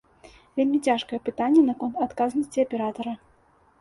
Вельмі цяжкае пытанне наконт адказнасці аператара.